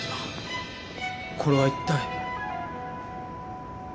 これは一体？